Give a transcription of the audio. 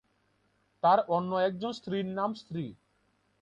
তার অন্য একজন স্ত্রীর নাম ‘শ্রী’।